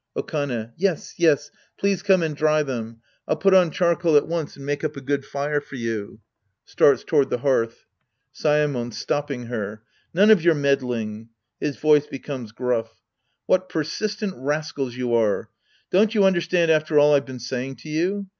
Okane. Yes, yes, please come and dry them. I'll put on charcoal at once and make up a good fire for you. {Starts toward the hearth.') Saemon {stopping her). None of your meddling. {His voice becomes gruff ^ What persistent rascals you are ! Don't you understand after all I've been saying to you